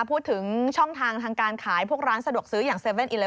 พูดถึงช่องทางทางการขายพวกร้านสะดวกซื้ออย่าง๗๑๑